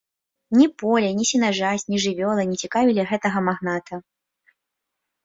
Ні поле, ні сенажаць, ні жывёла не цікавілі гэтага магната.